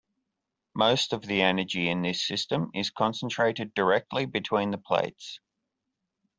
Most of the energy in this system is concentrated directly between the plates.